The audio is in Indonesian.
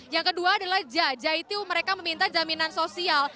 yang kedua adalah jaitu mereka meminta jaminan sosial